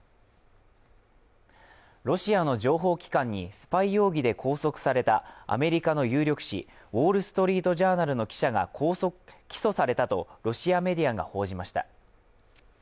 ロシアの情報機関にスパイ容疑で拘束されたアメリカの有力紙「ウォール・ストリート・ジャーナル」の記者が起訴されたとロシアメディアが報じました。